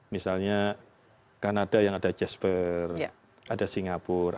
misalnya kanada yang ada jasper ada singapura